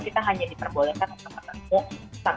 kita hanya diperbolehkan untuk menempuh